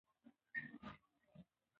د هندي سبک پيرو شاعر چې فرعي برخې يې